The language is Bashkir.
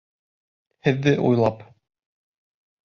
Һеҙҙе уйлап!